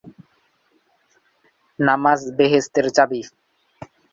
এই আবিষ্কার অতি সম্প্রতি হয়েছে।